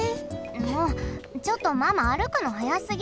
もうちょっとママ歩くの速すぎ。